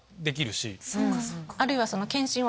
あるいは。